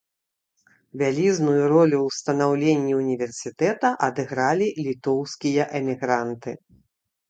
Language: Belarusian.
Вялізную ролю ў станаўленні ўніверсітэта адыгралі літоўскія эмігранты.